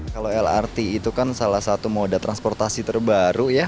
kalau lrt itu kan salah satu moda transportasi terbaru ya